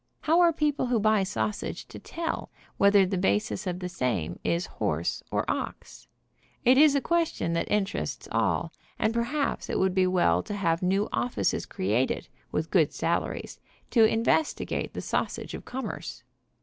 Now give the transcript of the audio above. How are people who buy sausage to tell whether the basis of the same is horse or ox? It is a question that interests all, and perhaps it would be well to have new of fices created, with good salaries, to in vestigate the sau sage of commerce.